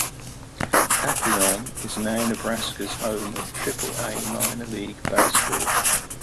Papillion is now Nebraska's home of Triple-A minor league baseball.